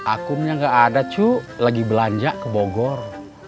akumnya gak ada cuk lagi belanja ke bogor